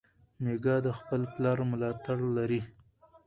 میکا د خپل پلار ملاتړ لري.